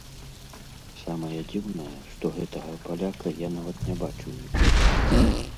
Самае дзіўнае, што гэтага паляка я нават не бачыў ніколі.